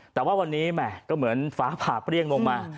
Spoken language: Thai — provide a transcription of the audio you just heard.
แต่ว่าวันนี้แหม่ก็เหมือนฟ้าผ่าเปรี้ยงลงมา